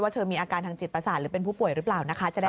เธอมีอาการทางจิตประสาทหรือเป็นผู้ป่วยหรือเปล่านะคะ